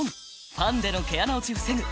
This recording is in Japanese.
ファンデの毛穴落ち防ぐ！